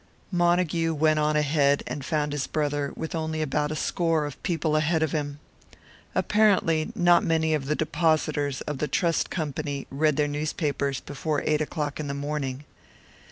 Montague went on ahead, and found his brother, with only about a score of people ahead of him. Apparently not many of the depositors of the Trust Company read their newspapers before eight o'clock in the morning.